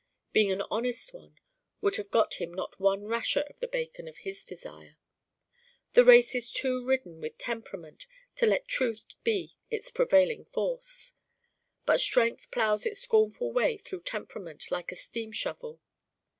Being an honest one would have got him not one rasher of the bacon of his desire. The race is too ridden with 'temperament' to let truth be its prevailing force. But strength plows its scornful way through temperament like a steam shovel.